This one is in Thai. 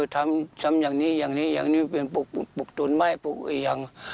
ทำอย่างนี้ปลูกตุ๋นไม้ปลูกอีกอย่าง